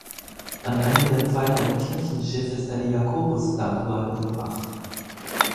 An einem der Pfeiler im Kirchenschiff ist eine Jakobus-Statue angebracht.